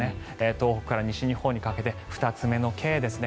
東北から西日本にかけて２つ目のＫですね。